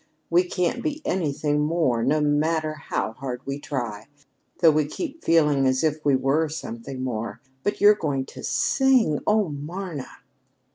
We can't be anything more no matter how hard we try, though we keep feeling as if we were something more. But you're going to SING! Oh, Marna!"